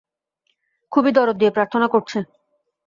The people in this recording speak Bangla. খুবই দরদ দিয়ে প্রার্থনা করেছ।